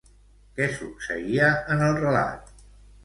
Què succeïa en el relat?